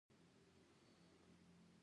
ځغاسته د بریا نغمه ده